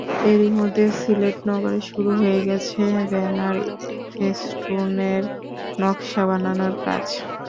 এরই মধ্যে সিলেট নগরে শুরু হয়ে গেছে ব্যানার-ফেস্টুনের নকশা বানানোর কাজ।